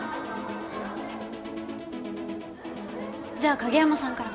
じゃあ影山さんから。